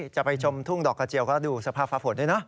จะไปชมทุ่งดอกกะเจียวก็ดูสภาพฝนด้วยเนอะ